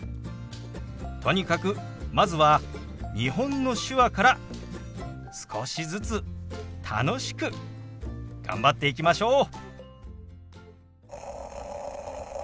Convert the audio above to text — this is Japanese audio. とにかくまずは日本の手話から少しずつ楽しく頑張っていきましょう。